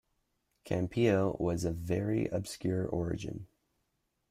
Campillo was of very obscure origin.